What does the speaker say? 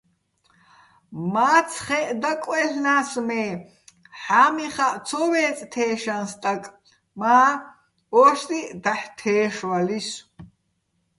მაცხეჸ დაკვაჲლ'ნა́ს, მე ჰ̦ა́მიხაჸ ცო ვე́წე̆ თეშაჼ სტაკ, მა́ ო́შტიჸ დაჰ̦ თე́შვალისო̆.